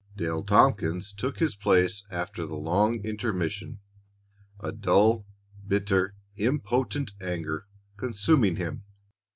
Dale Tompkins took his place after the long intermission, a dull, bitter, impotent anger consuming him.